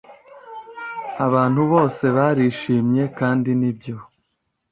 Abantu bose barishimye!kandi nibyo